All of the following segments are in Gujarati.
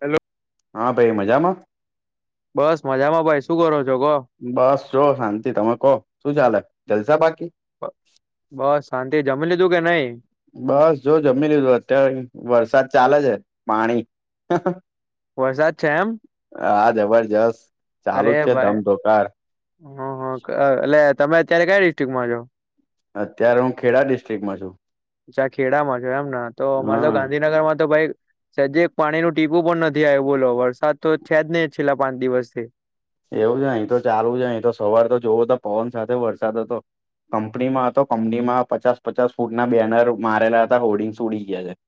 હેલો હા ભાઈ મજામાં બસ મજામાં ભાઈ શું કરો છો કહ બસ જો શાંતિ તમે કહો શું ચાલે જલસા બાકી બસ શાંતિ જમી લીધું કે નહી બસ જો જમી લીધું અત્યારે વરસાદ ચાલે છે પાણી વરસાદ છે એમ હ હા જબરજસ્ત ચાલુ અરે જ છે ભાઈ ધમધોકાર હ હ એટલે તમે અત્યારે કઈ ડિસ્ટ્રિકમાં છો અત્યારે હું ખેડા ડિસ્ટ્રિક્ટમાં છું ચા ખેડામાં જો એમને તો અમારે તો હા ગાંધીનગર માં તો ભાઈ સજે એક પાણી નું ટીપું પણ નથી આવ્યું બોલો વરસાદ તો છે જ નહી છેલ્લા પાંચ દિવસ થી એવું જ અહીં તો ચાલુ જ અહી તો સવારે તો જોવું તો પવન સાથે વરસાદ હતો કંપનીમાં હતો કંપનીમાં પચાસ પચાસ ફૂટના બેનર મારેલા હતા હોર્ડિંગ્ ઉડી ગયા છે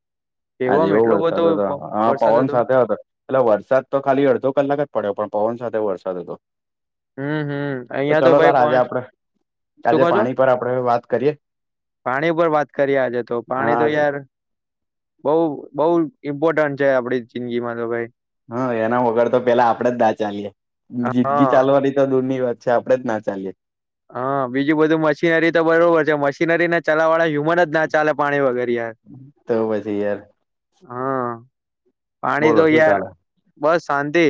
આજે આમ એવો એટલો બધો વરસાદ હતો પ- હા વરસાદ પવન સાથે હતો એટલે વરસાદ તો ખાલી અડધો કલાક જ પડ્યો પણ પવન સાથે વરસાદ હતો હમ હમ અહિયાં તો ચલો તાર ભાઈ આજે પોહંચ આપડે શું આજે કો છો પાણી પર આપડે વાત કરીએ પાણી ઉપર વાત કરીએ આજે તો પાણી હા તો યાર બઉ બઉુ ઇમ્પોર્ટન્ટ છે આપડી જિંદગીમાં તો ભાઈ હા એના વગર તો પેલા આપડે જ ના ચાલીએે જિદગી હા ચાલવાની તો દૂર ની વાત છે આપડે જ ના ચાએ હા બીજું બધું મશીનરી તો બરોબર છે મશીનરી ને ચલાવવાળા હ્યુમન જ ના ચાલે પાણી વગેરે તો પછી યાર હા પાણી બોલો તો શું યાર ચાલે બસ શાંતિ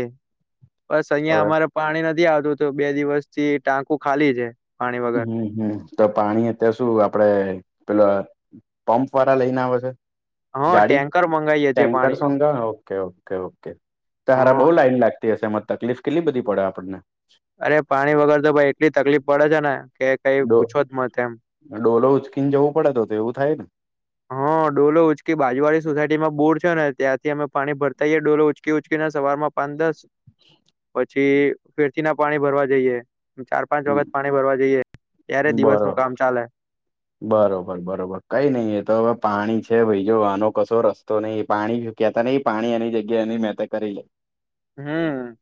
બસ અહિયાં હવે અમારે પાણી નથી આવતું તો બે દિવસ થી ટાંકુ ખાલી છે પાણી વગર હમ હમ તો પાણી અત્યારે શું આપડે પેલો પંપ વાળા લઈને આવે છે હા ગાડી ટેન્કર મંગાવીએ છીએ ટટેન્કર પાણી નું સઘ ઓકે ઓકે ઓ તારા હા બઉુ લાઈન લાગતી હશે એમાં તકલીફ કેટલી બધી પડે આપણને અરે પાણી વગર તો ભાઈ એટલી તકલીફ પડે છે ને કે કઈ ડો પૂછો જ મ તેમમ ડોલો ઉચકીને જવું પડે તો એવું થાય ને હા ડોલો ઉચકી બાજુવાડી સોસાયટી માં બોર છે ને ત્યાંથી અમે પાણી ભરતાઈએ ડોલો ઉચકી ઉચકીને સવારમાં પંદસ [unintelligible] પછી ફેરચી ના પાણી ભરવા જઈએ ચાર પાંચ વખત પાણી ભરવા જઈએ ત્યારે બરોબર દિવસનું કામ ચાલે બરોબર બરોબર કઈ નઈિ એ તો હવે પાણી છે ભાઈ જો આનો કશો રસ્તો નહીિ પાણી કેતા ન પાણી એની જગ્યા એની મેં તો કરી લે હમ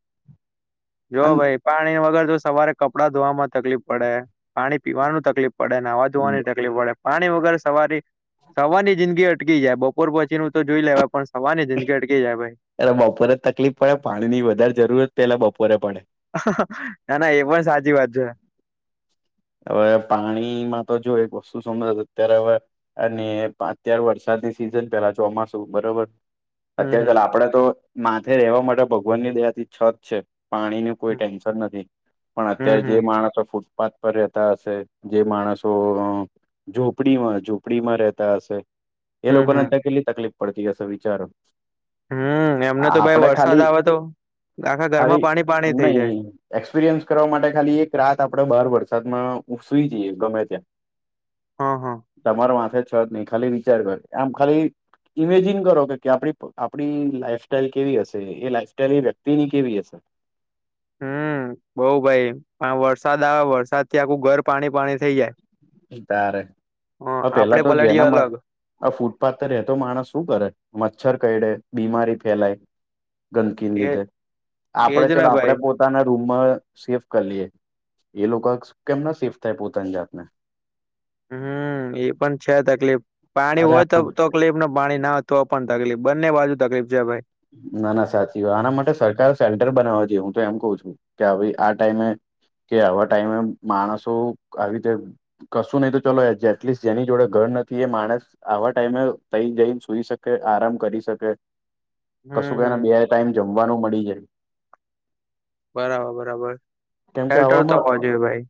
જો અને ભાઈ પાણી વગર તો સવારે કપડાં ધોવામાં તકલીફ પડે પાણી પીવાનું તકફડ પડે ને આવા ધોવાની તકલીફ પડે પાણી વગર સવારી સવારની જિંદગી અટકી જાય બ ઉપર પોછી ન તો જોઈ લેવા પણ સવા ને જંદગી અટકે જાય ભાઈ એટલે બપોરે તકલીફ પડે પાણી ની વધારે જરૂરત પેલા બપોરે પડે ના ના એ પણ સાચી વાત છે હવે પાણીમાં તો જો એક વસ્તુ સમજ અત્યારે હવે અને અત્યારે વરસાદની સિઝન પેલા ચોમાસું બરોબર હમ અત્યારે ચાલ હમ આપડે તો માથે રહેવા માટે ભગવાન ની દયાથી છત છે પાણીની કોઈ ટેન્શન નથી પણ હમ અત્યારે જે હમ માણસો ફૂટપાથ પર્યતાશે જે માણસો ઝોપડી માં ઝોપડીમાં રહેતા હશે એ હમ લોકોને હમ અ કેટલી તકલીફ પડતી હશે વિચારો હમ એમને તો ભાઈ આપડે વરસાદ ખાલી આવે તો આખા ખાલી ઘરમાં પાણી એમ પાણી થઈ નહી જાય એક્સપિરિયન્સ કરવા માટે ખાલી એક રાત આપણેે બહાર વરસાદમાં સુઈ જઈએ ગમે ત્યાં હા હા તમારો માથે છ જ નહ ખાલી વિચાર કર આમ ખાલી ઈમેજિન કરો કે આપ આપડી લાઈફસ્ટાઈલ કેવી હશે એ લાઈફ સ્ટાઈલ એ વ્યક્તિની કેવી હશે હમ બઉ ભાઈ પણ વરસાદ આવે વરસાદ થી આખું ઘર પાણી પાણી થઇ જાય તારે હ પેલા આપડે તો પલાડીએ જેનામાં અલગ આ ફૂટપાથ તો રહેતો માણસ શું કરે મચ્છર કડે બીમારી ફેલાય ગંદકીને એ લીધે આપડે એજ ને ચલો આપણે ભાઈ પોતે પોતાના રૂમમાં શિફ્ટ કરી લએ એ લોકો કેમ ના શિફ્ટ થાય પોતાની જાતને હમ એ પણ છે તકલીફ પાણી અરે હોય તો તકલીફ ને પાણી ના તો પણ તકલીફ બંને બાજુ તકલીફ છે ભાઈ ના ના સાચી વાય આના માટે સરકાર સેલ્ટર બનાવવા જોઈએ હું તો એમ કઉ છું કે આ ટાઈમે કે આવા ટાઈમે માણસો આવી રીતે કશું નહીિ તો ચાલલો એટલીસ્ટ જેની જોડે ઘર નથી એ માણસ આવા ટાઈમે તઈ જઈને સુઈ શકે આરામ કરી શકે કશું હમ કને હમ બે ટાઈમ જમવાનું મળી જાયું બરાબર બરાબર હેર તો હવામાં હો જોઈએ ભાઈ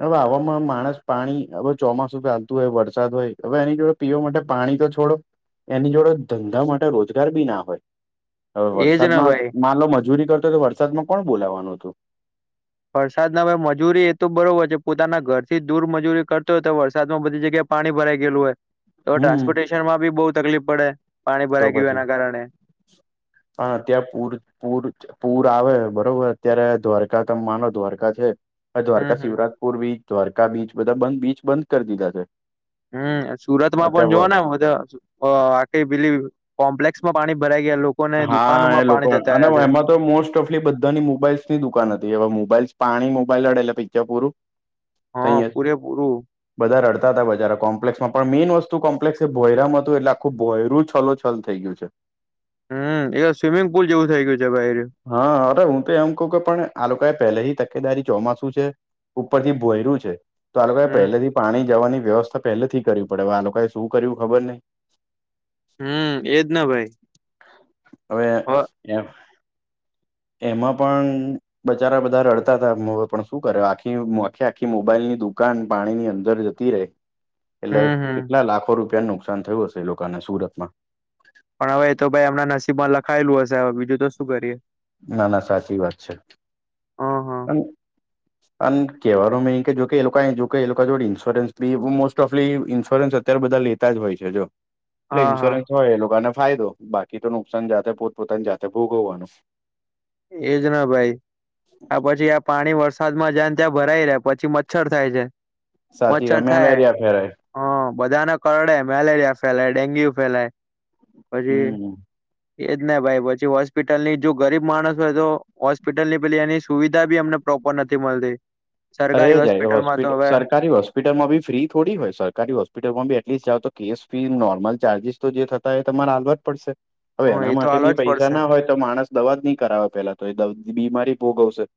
હવે આવામાં માણસ પાણી હવે ચોમાસું ચાલતું હોય વરસાદ હોય હવે એની જોડે પીવા માટે પાણી તો છોડો એની જોડે ધંધા માટે રોજગાર બી ના હોય હવે એજ ને વરસાદમાં ભાઈ માલો મજૂરી કરતો હતો વરસાદમાં કોણ બોલાવવાનું હતું વરસાદના મજૂરી એ તો બરોબર છે પોતાના ઘર થી દૂર મજૂરી કરતો હોય તો વરસાદમાં બધી જગ્યા પાણી ભરાઈ ગયેલું હોય તો હમ ટ્રાન્સપોર્ટેશનમાં બી બહુ તકલીફ પડે પાણી તો ભરાઈ ગયું પછી એના કારણે પણ અત્યાં પૂર પૂર પૂર આવે બરોબર અત્યારે દ્વારકા તમે માનો દ્વારકા છે આ હમ દ્વારકા હમ શિવરાજપુર બીચ દ્વારકા બીચ બધા બ બીચ બંધ કરી દીધા છે હમ સુરત માં પણ અત્યારે જોવા ને આ પેલી કોમ્પ્લેક્સ માં પાણી ભરાઈ ગયા લોકો હા એ લોકો અને હ એમાં તો મોસ્ટ ઓફલી બધાની મોબાઈલ્સની દુકાન હતી હવે મોબાઈલ્સ પાણી મોબાઈલ લડેલા પિક્ચર પૂરું તઈ હા જ પૂરે પૂર બધા રડતા હતા બજારે કોમ્પ્લેક્ષસમાં પણ મેઈન વસ્તુ કોમ્પ્લેક્ષસ ભોયરામાં હતું એટલે આખું બોયરું છો ફલ થઈ ગયું છે હમ એ સ્વિમિંગ પુલ જેવું થઈ ગયું છે બ હા અરે હું તો એમ કઉ કે પણ આ લોકો એ પહેલાથી તકેદારી ચોમાસુ છે ઉપર થી ભોયર્યું છે તો આ લોકોએ હમ પહેલેથી પાણી જવાની વ્યવસ્થા પહેલેથી કરવી પડેવે આ લોકોએ શું કર્યું ખબર નહી હમ એજ ના ભાઈ હવે હ એ એમાં પણ બચારા બધા રડતા હતા પણ શું કરે આખી આખી આખી મોબાઈલ ની દુકાન પાણીની અંદર જ એટલે હમ હમ કેટલા લાખો રૂપિયા નુકસાન થયું હશે એ લોકોને સુરત માં પણ હવે એ તો ભાઈ એમના નસીબમાં લખાયેલું હશે હવે બીજું તો શું કરીએ ના ના સાચી વાત છે હા અને અને કેહેવાનો મે કે જો લોકો એ લોકો જોડે ઇન્સ્યોરન્સ બી મોસ્ટ ઓફલી ઇન્સ્યોરન્સ અત્યારે બધા લેતા જ હોય છે જો એટલે હા હા ઇન્સ્યોરન્સ ય એ લોકોને ફાયદો બાકી તો નુકસાન જાતે પોતપોતાની જાતે ભોગવવાનો એજ ના ભાઈ આ પછી પાણી વરસાદમાં જાયને ત્યાં ભરાઈ રહેે પછી મચ્છર થાય છે સાચી મચ્છર થાય મેલેરિયા ફેરાય હ બધાને કરડે મેલેરિયા ફેલાય ડેન્ગ્યુ ફેલાય હમ પછી એજ ના ભાઈ પછી હોસ્પિટલની જો ગરીબ માણસ તો હોસ્પિટલ ની પેલી એની સુવિધા બી અમને પ્રોપર નથી મળતી અરે સરકારી જાય હોસ્પિટલમાં તો હોસ્પિટલ હવે સરકારી હોસ્પિટ હોસ્પિટલમાં બી ફી થોડી હોય સરકારી હોસ્પિટલમાં બી એટલીસ્ટ જાઓ તો કેસ ફી નોર્મલ ચાર્જિસ તો જે થતા એ તમારે હાલવા જ પડશે હ હવે એના એ તો માટે હાલવા બની જ પૈસા પડશે ના હોય તો માણસ દવા જ નહી કરાવે પેલા તો એ બીમારી ભોગવશે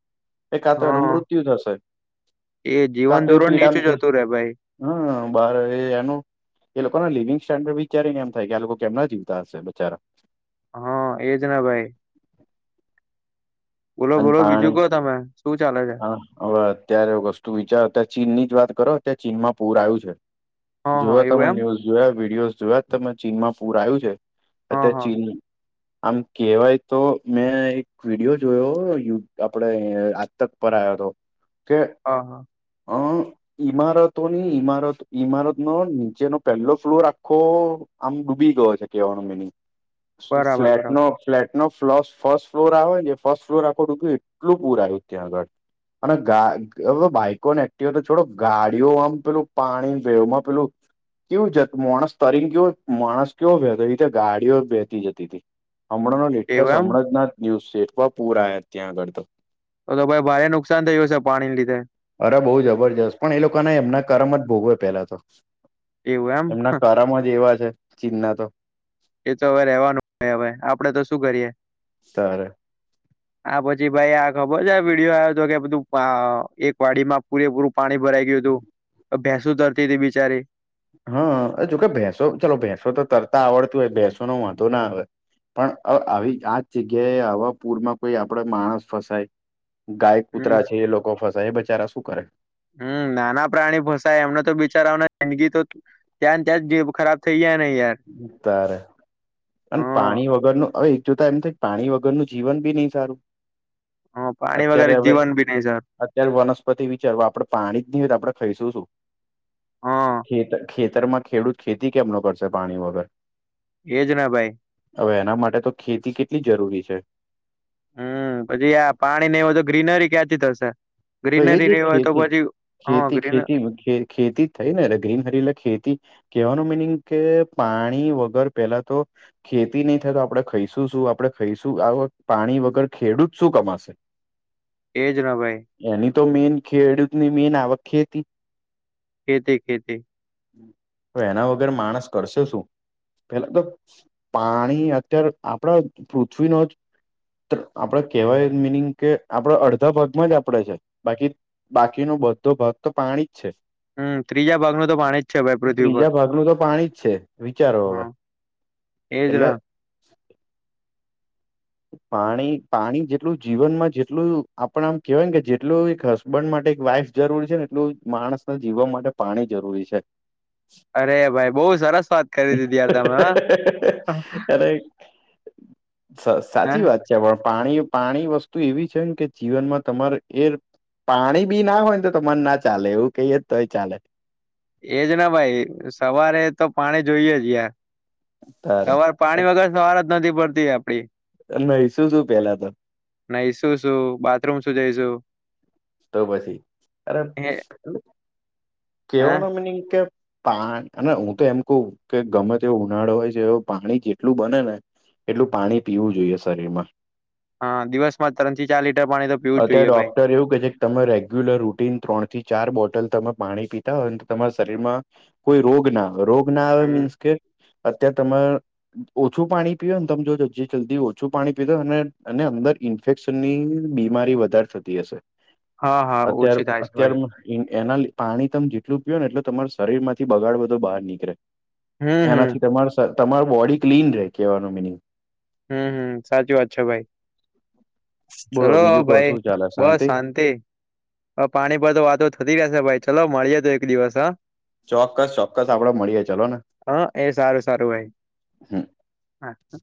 એ કા તો એનું હા મૃત્યુ થશે એ જીવન ધોરણ નીચું જતું રે ભાઈ હમ બાર એ એનું એ લોકો ના લિવિંગ સ્ટન્ડર્ડ વિચારીને એમ થાય કે આ લોકો કેમ જીવતા હશે બચારા હા એજ ના ભાઈ બોલો અને બોલો બીજું પાણી ક તમે શું ચાલે છે હા હવે અત્યારે વસ્તુ વિચારો્યારે ચીન ની જ વાત કરો ત્યા ચીનમાં પૂર આવ્યું છે હા જોઓ હા એવું તમે એમ ન્યુઝ જોયા વિડીિયોઝ જોયા તમે ચીનમાં પૂર આવ્યું છે અત હા હા ચીન આમ કેવાય તો મેં એક વિડીિયો જોયો યુ આપડે આજ તક પર આવયો હતો કે હા હા હ ઈમારતોની ઈમારત ઈમારત નો નીચેનો પહેલો ફ્લુ રાખો આમ ડૂબી ગયો છે કેવાનો મિનિંગ બરાબર ફ્લેટ બરાબર નો ફ્લેટ નો ફ્ ફર્સ્ટ ફ્લોર આવે ફર્સ્ટ ફ્લોર આખો ડૂું્યું એટલું પૂર આવ્યું ત્યાં આગળ અને ગા હવે બાઈકોને એક્ટિવ તો છોડો ગાડીઓ આમ પેલું પાણી વેવમાં પેલું કયું જ માણસ તરીને કેયો માણસ કવયો વેતો ગાડીઓ વહેતી જતી હતી હમણાંનો લેટેસ્ટ એવું એમ હમણાંનાથ ન્યૂઝ છેવા પૂરા ત્યાં આગળ તો તો તો ભાઈ ભારે નુકસાન થયું હશે પાણી લીધે અરે બહુ જબરજસ્ત પણ એ લોકોના એમના કરમ જ ભોગવે પેલા તો એવું એમ હ, એમના કરામાં જ એવા છે ચીન ના તો એ તો હવે રહેવાનું હોય હવે આપડે તો શું કરીએ તાર આ પછી ભાઈ આ ખબર છે આ વિીડીિયો આવ્યો હતો કે બધું એક વાડીમાં પૂરેપૂરું પાણી ભરાઈ ગયું હતું ભેસું તરતી હતી બિચારી હા જોકે ભેંસો ચાલલો ભેંસો તો તરતા આવડતું હોય ભેંસો નો વાંધો ના આવે પણ આવી આ જગ્યાએ હવા પૂરમાં કોઈ આપડ માણસ ફસાય ગાય હમ કૂતરા છે એ લોકો ફસાય એ બચારા શું કરે હમ નાના પ્રાણી ફસાય એમને તો બિચારાના જિંદગી તો ત્યા જીબ ખરાબ થઈ જયા હી યાર મુ ત્યારે અને પાણી વગરનું હવે એક જોતા એમ થાય પાણી વગરનું જીવન બી નહી સારું હ પાણી અત્યારે વગર હવે જીવન બી નહી સર અત્યારે વનસ્પતિ વિચારવા આપડે પાણી જ નહી હોય તો આપડે ખાઈશું શું હ ખેત ખેતરમાં ખેડૂત ખેતી કેમનો કરશે પાણી વગર એજ ના ભાઈ હવે એના માટે તો ખેતી કેટલી જરૂરી છે હમ પછી આ પાણી ને એવ હો તો ગ્રીનરી ક્યાંથી થશે તો એ ગ્રીનરી જે નહી હોય તો ખેતી પછી હા ખેતી ગ્રીન ખેતી ખેતી થઈ ને ગ્રીન હરીલા ખેતી કેવાનું મિનિંગ કે પાણી વગર પેલા તો ખેતી નહી થાય તો આપડણે ખાઈશું શું આપડણે ખાઈશું આ પાણી વગર ખેડૂત શું કમાશે એજ ના ભાઈ એની તો મેન ખેડૂત ની મેન આવક ખેતી ખેતે ખેતે હ એના વગર માણસ કરશેો શું પેલા તો પાણી અત્યારે આપણા પૃથ્વીનો જ આપડે કેહેવાય મિનિંગ કે આપડ અડધા ભાગમાં જ ડે છે બાકી બાકીનો બધો ભાગ તો પાણી જ છે હમ ત્રીજા ભાગનું તો પાણી જ છે ભાઈ પૃથ્વી પર ત્રીજા ભાગનું તો પાણી જ છે વિચારો હવે એટલે એજના પાણી પાણી જેટલું જીવનમાં જેટલું આપણે આમ કેવાય ને કે જેટલું હબ માટે એક વાઈફ જરૂરી છે ને એટલું માણસ ના જીવન માટે પાણી જરૂરી છે અરે ભાઈ બહુ સરસ વાત કરી દીધી યાર તમે અરે સાચી હા વાત છે પણ પાણી પાણી વસ્તુ એવી છે ને કે જીવનમાં તમારે એ પાણી બી ના હોય તો તો મન ના ચાલે એવું કઈ જ તોય ચાલે એજ ના ભાઈ સવારે તો પાણી જોઈએ જ યાર તારે સવાર પાણી વગર સવાર જ નથી પડતી આપડી નહી શું શું પેલા તો નહી શું શું બાથરૂમ શું જઈશું તો પછી અરે હે હા કેવાનું મિનિ કે પા અને હું તો એમ કહુ કે ગમે તેવો ઉનાળો હોય છે પાણી કેટલું બને ને એટલું પાણી પીવું જોઈએ શરીરમાં હા દિવસ માં ત્રણ થી ચાર લીટર પાણી તો પીવું જ જોઈએ ભાઈ સર એવું કહે છે તમે રેગ્યુલર રૂટીન ત્રણ થી ચાર બોટલ તમે પાણી પીતા હો તમારા શરીરમાં કોઈ રોગ ના રોગ ના આવે હમ મીન્સ કે અત્યારે તમારે ઓછું પાણી પીવે ને તમે જોજો જે જલ્દી ઓછું પાણી પીતો એને અને અંદર ઇ ઇન્ફેક્શન ની બીમારી વધારે થતી હશે હા હા અત્યાર ઓછી થાય છે અત્યાર ભાઈ એના પાણી તમે જેટલું પીવો ને એટલું તમાર શરીર માંથી બગાડ બધો બહાર નીકળે હમ હમ એનાથી તમાર તમારુ બોડી ક્લીન રહે કેવાનું મિનિંગ હમ હમ સાચી વાત છે ભાઈ બોલો ચલો હ બીજું કહો ભાઈ શું ચાલે બસ શાંતિ હ પાણી પર તો વાતો થતી જશે ભાઈ ચલો મળી તો એક દિવસ હ ચોક્કસ ચોક્કસ આપડે મળીએે ચલો ને હા એ સારું સારું ભાઈ હમ હા હ